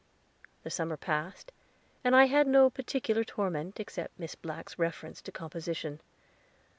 The summer passed, and I had no particular torment, except Miss Black's reference to composition.